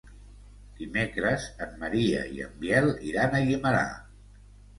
Dimecres en Maria i en Biel iran a Guimerà.